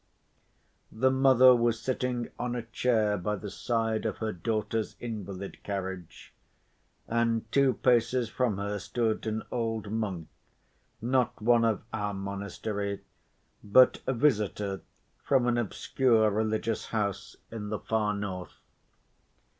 The mother was sitting on a chair by the side of her daughter's invalid carriage, and two paces from her stood an old monk, not one of our monastery, but a visitor from an obscure religious house in the far north.